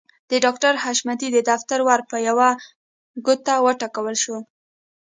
د ډاکټر حشمتي د دفتر ور په يوه ګوته وټکول شو.